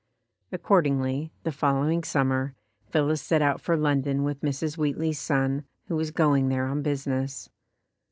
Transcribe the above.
Accordingly, the following summer, Phillis set out for London with Mrs. Wheatley's son, who was going there on business.